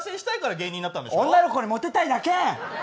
女の子にモテたいだけ。